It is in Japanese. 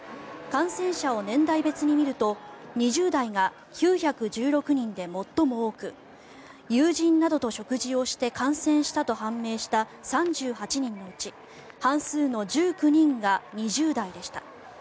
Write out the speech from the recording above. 感染者を年代別にみると２０代が９１６人で最も多く友人などと食事をして感染したと判明した３８人のうち半数の１９人が２０代でした。